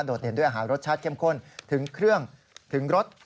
เห็นด้วยอาหารรสชาติเข้มข้นถึงเครื่องถึงรส